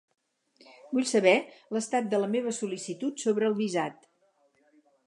Vull saber l'estat de la meva sol·licitut sobre el visat.